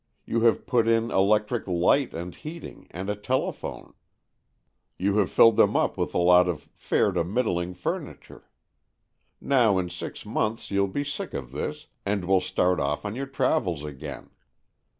You have put in electric light and heating, and a telephone. You have filled them up with a lot of fair to middling furni ture. Now in six months you'll be sick of this, and will start off on your travels again.